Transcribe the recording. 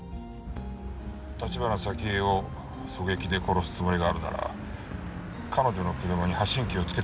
橘沙希江を狙撃で殺すつもりがあるなら彼女の車に発信機をつけたりするか？